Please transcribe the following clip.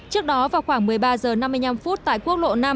trước đó vào khoảng một mươi ba h năm mươi năm phút tại quốc lộ năm